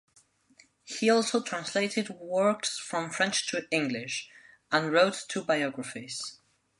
He also translated works from French to English, and wrote two biographies.